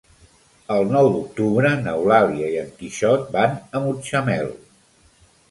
El nou d'octubre n'Eulàlia i en Quixot van a Mutxamel.